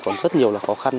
còn rất nhiều là khó khăn